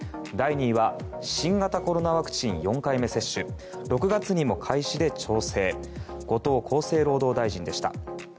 第２位は新型コロナワクチン４回目接種６月にも開始で調整後藤厚生労働大臣でした。